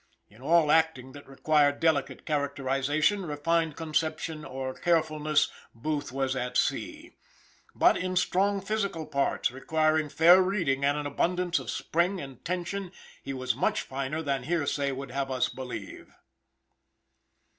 In all acting that required delicate characterization, refined conception or carefulness, Booth was at sea. But in strong physical parts, requiring fair reading and an abundance of spring and tension, he was much finer than hearsay would have us believe.